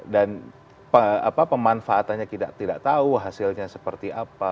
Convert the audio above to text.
dan pemanfaatannya tidak tahu hasilnya seperti apa